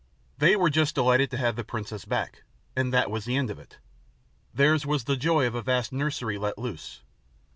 They were just delighted to have the princess back, and that was the end of it. Theirs was the joy of a vast nursery let loose.